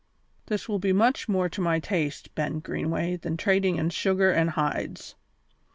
This will be much more to my taste, Ben Greenway, than trading in sugar and hides."